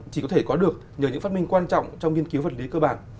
chỉ có thể có được nhờ những phát minh quan trọng trong nghiên cứu vật lý cơ bản